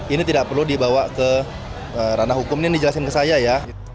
ini tidak perlu dibawa ke ranah hukum ini dijelasin ke saya ya